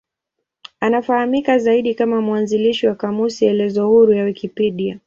Anafahamika zaidi kama mwanzilishi wa kamusi elezo huru ya Wikipedia.